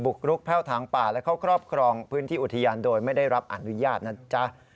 กรุกแพ่วถางป่าและเข้าครอบครองพื้นที่อุทยานโดยไม่ได้รับอนุญาตนะจ๊ะ